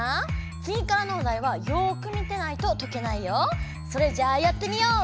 つぎからのおだいはよく見てないととけないよ。それじゃあやってみよう！